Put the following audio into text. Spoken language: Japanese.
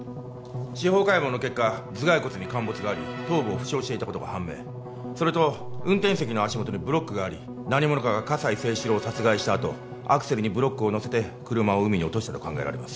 司法解剖の結果頭蓋骨に陥没があり頭部を負傷していたことが判明それと運転席の足元にブロックがあり何者かが葛西征四郎を殺害したあとアクセルにブロックをのせて車を海に落としたと考えられます